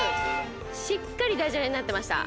しっかりダジャレになってました。